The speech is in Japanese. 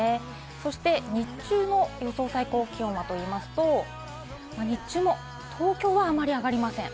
そして日中も予想最高気温はと言いますと、日中も東京はあまり上がりません。